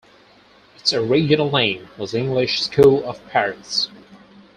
Its original name was English School of Paris.